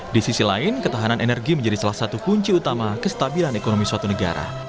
di sisi lain ketahanan energi menjadi salah satu kunci utama kestabilan ekonomi suatu negara